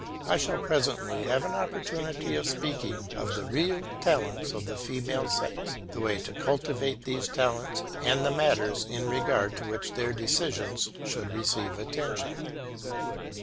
I shall presently have an opportunity of speaking of the real talents of the female sex, the way to cultivate these talents, and the matters in regard to which their decisions should receive attention.